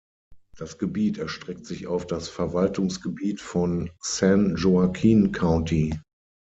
Das Gebiet erstreckt sich auf das Verwaltungsgebiet von San Joaquin County.